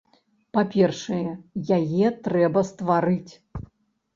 Па-першае, яе трэба стварыць.